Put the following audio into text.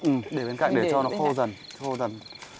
ừ để bên cạnh để cho nó khô dần